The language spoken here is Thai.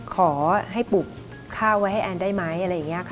ขอให้ปลูกข้าวไว้ให้แอนได้ไหมอะไรอย่างนี้ค่ะ